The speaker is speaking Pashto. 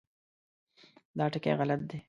دا ټکي غلط دي.